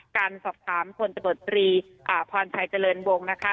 การสอบค้ามคนตะเบิดตรีอ่าพรชัยเจริญวงนะคะ